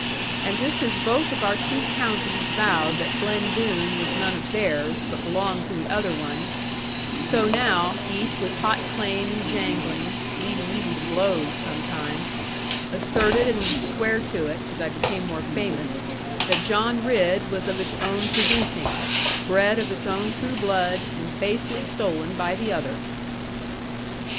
And just as both of our two counties vowed that Glen Doone was none of theirs, but belonged to the other one; so now, each with hot claim and jangling (leading even to blows sometimes), asserted and would swear to it (as I became more famous) that John Ridd was of its own producing, bred of its own true blood, and basely stolen by the other.